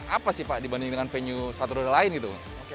apa sih pak dibandingkan venue sepatu roda lain gitu